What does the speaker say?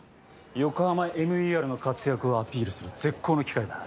ＹＯＫＯＨＡＭＡＭＥＲの活躍をアピールする絶好の機会だ